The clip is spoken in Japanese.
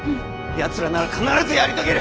やつらなら必ずやり遂げる！